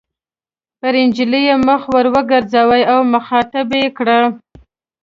پر نجلۍ یې مخ ور وګرځاوه او مخاطبه یې کړه.